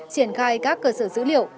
triển khai các cơ sở dữ liệu